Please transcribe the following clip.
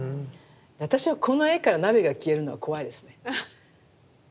私はこの絵から鍋が消えるのは怖いですね。